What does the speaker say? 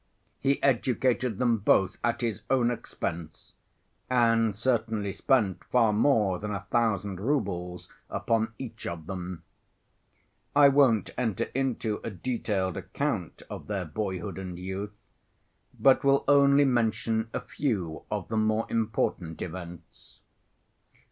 He educated them both at his own expense, and certainly spent far more than a thousand roubles upon each of them. I won't enter into a detailed account of their boyhood and youth, but will only mention a few of the most important events.